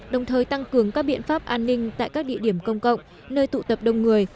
đồng thời tăng cường các biện pháp an ninh tại các địa điểm công cộng nơi tụ tập đông người